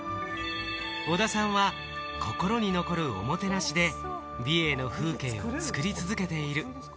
小田さんは心に残るおもてなしで美瑛の風景を作り続けている。